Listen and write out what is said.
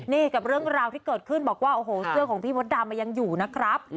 นี่กับเรื่องราวที่เกิดขึ้นบอกว่าโอ้โหเสื้อของพี่มดดำยังอยู่นะครับ